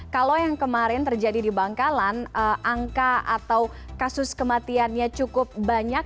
kalau yang kemarin terjadi di bangkalan angka atau kasus kematiannya cukup banyak